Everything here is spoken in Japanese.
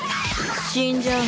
死んじゃうのよ。